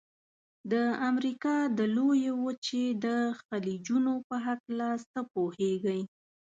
د امریکا د لویې وچې د خلیجونو په هلکه څه پوهیږئ؟